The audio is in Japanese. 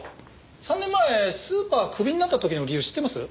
３年前スーパークビになった時の理由知ってます？